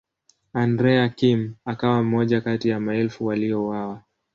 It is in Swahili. Andrea Kim akawa mmoja kati ya maelfu waliouawa.